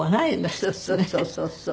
そうそうそうそうそう。